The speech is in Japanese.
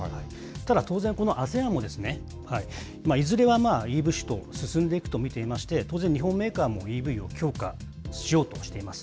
ただ、当然、このＡＳＥＡＮもですね、いずれはＥＶシフト、進んでいくと見ていまして、当然、日本メーカーもＥＶを強化しようとしています。